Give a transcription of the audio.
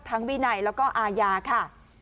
ทั้งวินัยและอาญาค่ะ